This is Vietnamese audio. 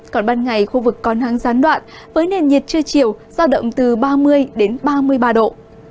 còn ban ngày khu vực có nắng gián đoạn với nền nhiệt chưa chiều giao động từ ba mươi đến ba mươi ba độ